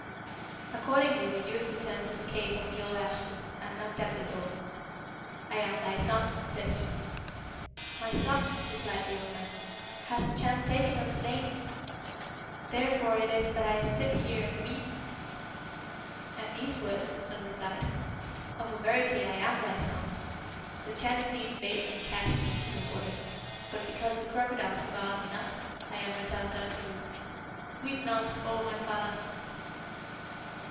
"Accordingly the youth returned to the cave of the old Arschi, and knocked at the door. 'I am thy son,' said he. 'My son,' replied the old man, 'has the Chan taken and slain; therefore it is that I sit here and weep.' At these words the son replied, 'Of a verity I am thy son. The Chan indeed bade them cast me into the waters; but because the crocodiles devoured me not, I am returned unto you. Weep not, O my father!'